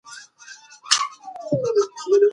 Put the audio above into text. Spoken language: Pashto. له اقتصادي پلان پرته هېواد پرمختګ نشي کولای.